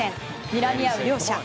にらみ合う両者。